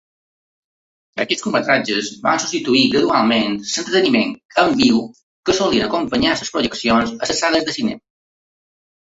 Aquests curtmetratges van substituir gradualment l"entreteniment en viu que solien acompanyar les projeccions a les sales e cinema.